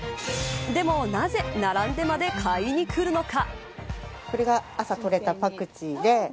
でも、なぜ並んでまで買いに来るのか。